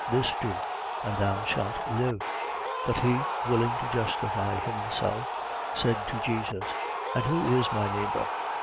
This do: and thou shalt live. 10:29. But he willing to justify himself, said to Jesus: And who is my neighbour?